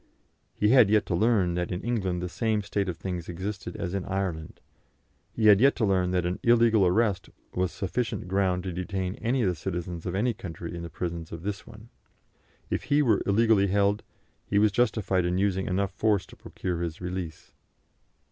He had yet to learn that in England the same state of things existed as in Ireland; he had yet to learn that an illegal arrest was sufficient ground to detain any of the citizens of any country in the prisons of this one. If he were illegally held, he was justified in using enough force to procure his release.